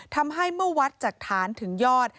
ทำให้เมื่อวัดจากฐานถึงยอด